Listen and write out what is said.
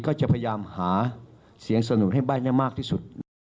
ก็จะพยายามหาเสียงสนุนให้ใบ้มากที่สุด